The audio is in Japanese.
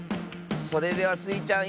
それではスイちゃん